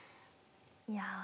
いや。